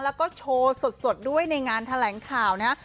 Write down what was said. แล้วก็โชว์สดด้วยในงานแถลงข่าวนะฮะ